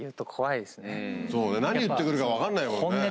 そうね何言って来るか分かんないもんね。